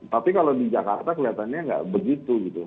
tapi kalau di jakarta kelihatannya nggak begitu gitu